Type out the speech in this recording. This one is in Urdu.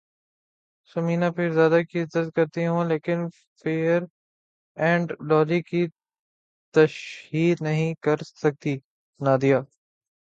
ثمینہ پیرزادہ کی عزت کرتی ہوں لیکن فیئر اینڈ لولی کی تشہیر نہیں کرسکتی نادیہ